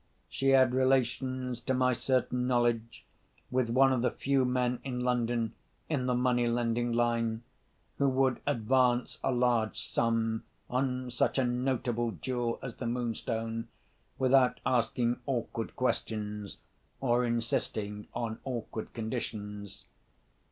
She had relations, to my certain knowledge, with one of the few men in London (in the money lending line) who would advance a large sum on such a notable jewel as the Moonstone, without asking awkward questions, or insisting on awkward conditions.